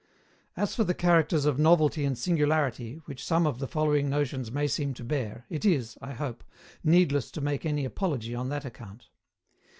As for the characters of novelty and singularity which some of the following notions may seem to bear, it is, I hope, needless to make any apology on that account.